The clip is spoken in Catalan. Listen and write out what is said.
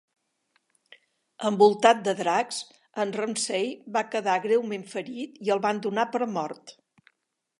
Envoltat de dracs, en Ramsey va quedar greument ferit i el van donar per mort.